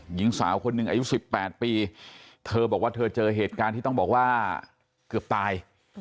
หญิงสาวคนหนึ่งอายุ๑๘ปีเธอบอกว่าเธอเจอเหตุการณ์ที่ต้องบอกว่าเกือบตาย